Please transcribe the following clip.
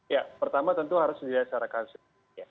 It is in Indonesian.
ya pertama tentu harus secara kanser